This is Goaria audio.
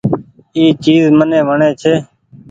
اي چيز مني وڻي ڇي۔